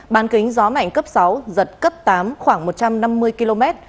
ban kính gió mạnh cấp sáu giật cấp tám khoảng một trăm năm mươi km